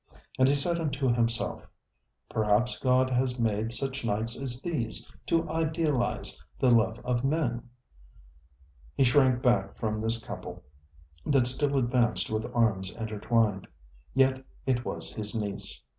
And he said unto himself: ŌĆ£Perhaps God has made such nights as these to idealize the love of men. ŌĆØ He shrank back from this couple that still advanced with arms intertwined. Yet it was his niece.